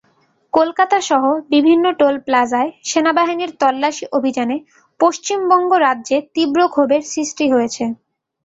কলকাতাসহ বিভিন্ন টোল প্লাজায় সেনাবাহিনীর তল্লাশি অভিযানে পশ্চিমবঙ্গ রাজ্যে তীব্র ক্ষোভের সৃষ্টি হয়েছে।